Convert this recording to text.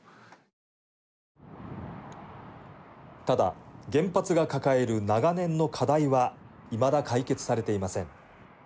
ただ、原発が抱える長年の課題はいまだ解決されていません。